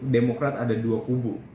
demokrat ada dua kubu